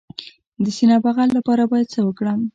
د سینه بغل لپاره باید څه وکړم؟